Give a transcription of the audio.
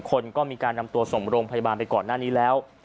คนก็มีการนำตัวส่งโรงพยาบาลไปก่อนหน้านี้แล้ว